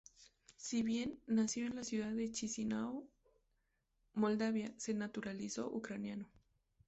Si bien nació en la ciudad de Chisinau, Moldavia se nacionalizó ucraniano.